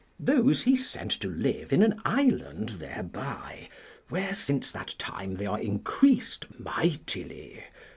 Those he sent to live in an island thereby, where since that time they are increased mightily.